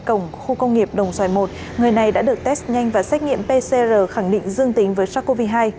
cổng khu công nghiệp đồng xoài i này đã được test nhanh và xét nghiệm pcr khẳng định dương tính với sars cov hai